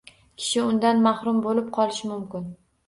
Kishi undan mahrum bo‘lib qolishi mumkin.